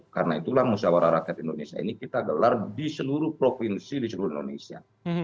karena itulah musawarah rakyat indonesia ini kita gelar di seluruh provinsi di seluruh indonesia